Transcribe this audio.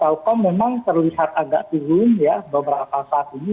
taukom memang terlihat agak turun beberapa saat ini